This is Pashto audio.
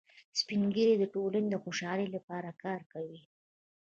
سپین ږیری د ټولنې د خوشحالۍ لپاره کار کوي